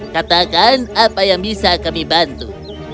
katakan apa yang bisa kami bantu